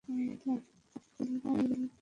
তুফাইল বলেন, আমি মক্কায় এলাম।